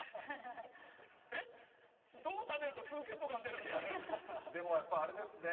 どう食べるとプーケット感出るんですかね。